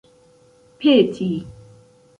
peti